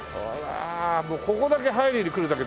もうここだけ入りに来るだけでもいいね。